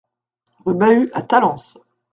Rue Bahus à Talence